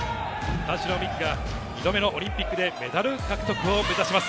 田代未来が２度目のオリンピックでメダル獲得を目指します。